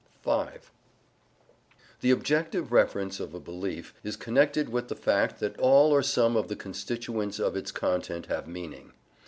(5) The objective reference of a belief is connected with the fact that all or some of the constituents of its content have meaning.